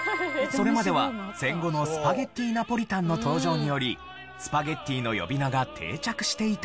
それまでは戦後のスパゲッティナポリタンの登場によりスパゲッティの呼び名が定着していたのですが。